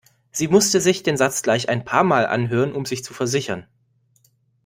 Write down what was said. Sie musste sich den Satz gleich ein paarmal anhören um sich zu versichern.